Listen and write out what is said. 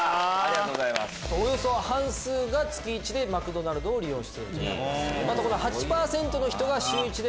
およそ半数が月１でマクドナルドを利用している。